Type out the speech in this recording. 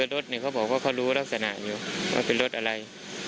รถเนี่ยเขาบอกว่าเขารู้ลักษณะอยู่ว่าเป็นรถอะไร